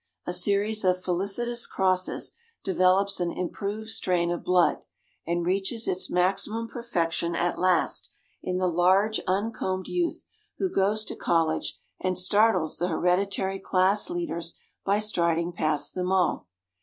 A series of felicitous crosses develops an improved strain of blood, and reaches its maximum perfection at last in the large uncombed youth who goes to college and startles the hereditary class leaders by striding past them all.